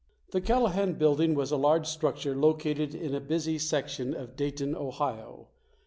The Callahan Building was a large structure located in a busy section of Dayton, Ohio.